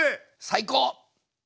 最高！